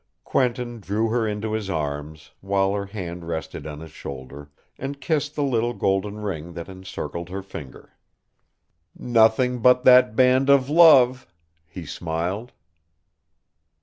Quentin drew her into his arms, while her hand rested on his shoulder, and kissed the little golden ring that encircled her finger. "Nothing but that band of love," he smiled.